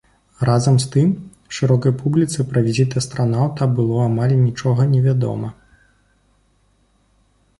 Разам з тым, шырокай публіцы пра візіт астранаўта было амаль нічога невядома.